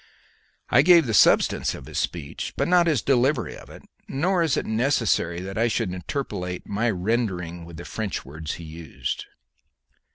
I give the substance of his speech, but not his delivery of it, nor is it necessary that I should interpolate my rendering with the French words he used.